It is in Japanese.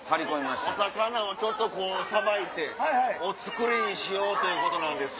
お魚を捌いてお造りにしようということなんです。